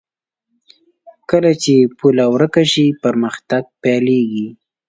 کله چې پوله ورکه شي، پرمختګ پيلېږي.